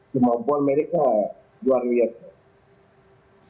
semua pemain mereka luar biasa